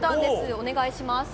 お願いします。